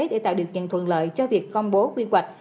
để tạo được nhận thuận lợi cho việc công bố quy hoạch